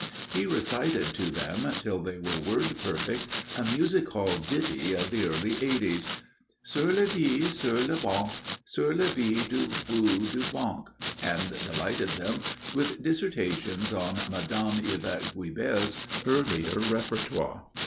He recited to them, till they were word perfect, a music hall ditty of the early 'eighties Sur le bi, sur le banc, sur le bi du bout du banc, and delighted them with dissertations on Mme. Yvette Guilbert's earlier repertoire.